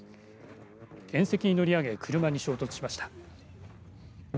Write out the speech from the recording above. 縁石に乗り上げ車に衝突しました。